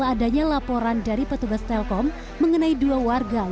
sedangkan dua korban lain warga sekitar yang hendak membantu korban